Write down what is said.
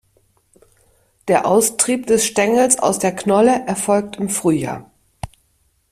Der Austrieb des Stängels aus der Knolle erfolgt im Frühjahr.